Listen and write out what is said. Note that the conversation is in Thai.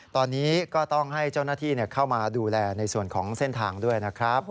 ตอนนี้ก็ต้องให้เจ้าหน้าที่เข้ามาดูแลในส่วนของเส้นทางด้วยนะครับ